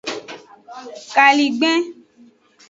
Kaligben.